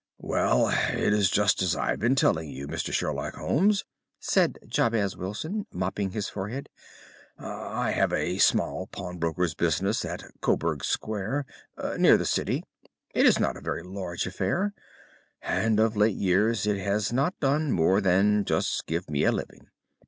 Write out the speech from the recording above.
"Well, it is just as I have been telling you, Mr. Sherlock Holmes," said Jabez Wilson, mopping his forehead; "I have a small pawnbroker's business at Coburg Square, near the City. It's not a very large affair, and of late years it has not done more than just give me a living.